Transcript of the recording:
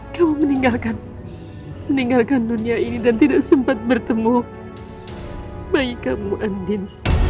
kamu meninggalkan meninggalkan dunia ini dan tidak sempat bertemu bayi kamu andin